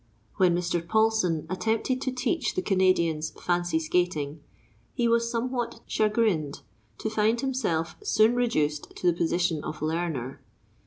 When Mr. Paulsen attempted to teach the Canadians fancy skating, he was somewhat chagrined to find himself soon reduced to the position of learner.